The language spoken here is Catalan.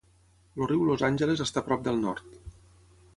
El riu Los Angeles està prop del nord.